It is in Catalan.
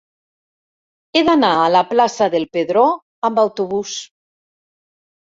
He d'anar a la plaça del Pedró amb autobús.